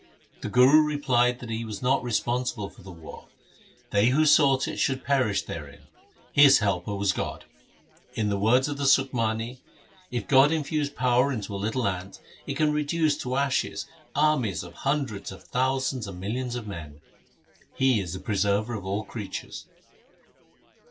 The Guru replied that he was not responsible for the war ; they who sought it should perish therein. His helper was God. In the words of the Sukhmani :— If God infuse power into a little ant, It can reduce to ashes armies of hundreds of thousands and millions of men. He is the Preserver of all creatures.